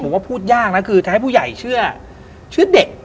แต่ว่าพูดยากนะคือถ้าให้ผู้ใหญ่เชื่อเชื่อเด็ก